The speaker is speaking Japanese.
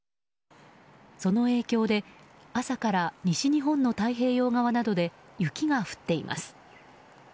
その影響で、朝から西日本の太平洋側などで雪が降っています。